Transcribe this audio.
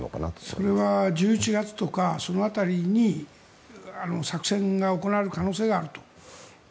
それは１１月とかその辺りに作戦が行われる可能性があると。